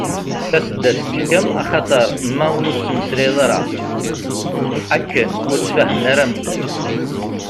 Taseddast teḥkem, axaṭer ma ur tettmeslayeḍ ara akken ur tt-fehmen ara medden.